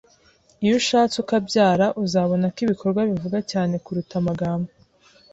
Iyo ushatse ukabyara, uzabona ko ibikorwa bivuga cyane kuruta amagambo